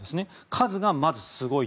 数がまず、すごい。